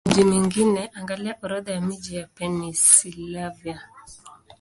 Kwa miji mingine, angalia Orodha ya miji ya Pennsylvania.